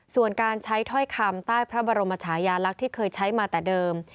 ส่วนการใช้ถ้อยคำใต้พระบรมชายาลักษณ์ที่เคยใช้มาแต่เดิม